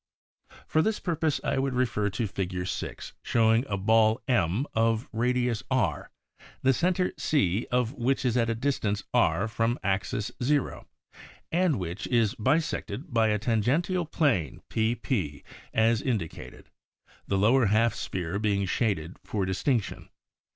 For this purpose I would refer to Fig. 6 showing a ball M of radius r, the center C of which is at a distance R from axis 0 and which is bisected by a tangential plane pp as indicated, the lower half sphere being shaded for distinction.